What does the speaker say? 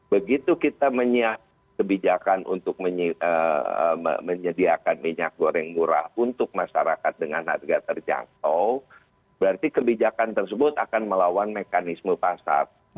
begitu kita menyiapkan kebijakan untuk menyediakan minyak goreng murah untuk masyarakat dengan harga terjangkau berarti kebijakan tersebut akan melawan mekanisme pasar